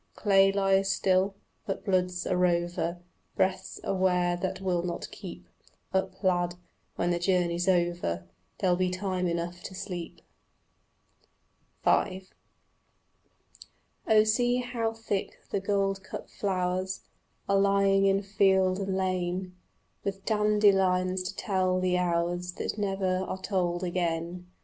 Clay lies still, but blood's a rover; Breath's a ware that will not keep Up, lad: when the journey's over There'll be time enough to sleep. V Oh see how thick the goldcup flowers Are lying in field and lane, With dandelions to tell the hours That never are told again.